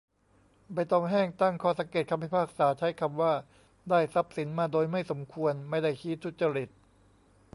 ใบตองแห้ง ตั้งข้อสังเกตคำพิพากษาใช้คำว่า "ได้ทรัพย์สินมาโดยไม่สมควร" ไม่ได้ชี้ทุจริต